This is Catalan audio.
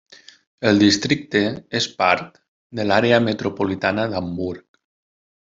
El districte és part de l'Àrea metropolitana d'Hamburg.